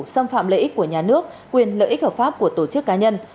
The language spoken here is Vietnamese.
xâm phạm lợi ích của nhà nước quyền lợi ích hợp pháp của tổ chức cá nhân